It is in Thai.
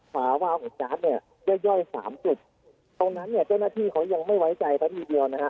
ฝาวาวของการ์ดเนี่ยย่อยย่อยสามจุดตรงนั้นเนี่ยเจ้าหน้าที่เขายังไม่ไว้ใจซะทีเดียวนะฮะ